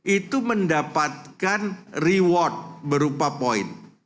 itu mendapatkan reward berupa poin